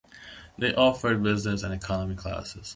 They offered Business and Economy Classes.